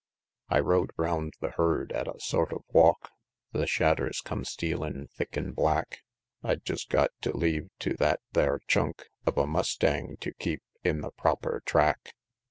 I rode round the herd at a sort of walk The shadders come stealin' thick an' black; I'd jest got to leave tew that thar chunk Of a mustang tew keep in the proper track.